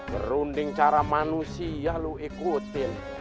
berunding cara manusia lo ikutin